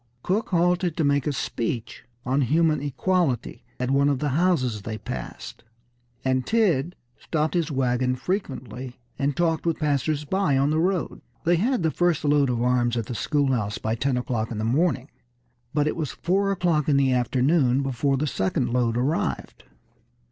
Cook halted to make a speech on human equality at one of the houses they passed, and Tidd stopped his wagon frequently and talked with passers by on the road. They had the first load of arms at the schoolhouse by ten o'clock in the morning, but it was four o'clock in the afternoon before the second load arrived.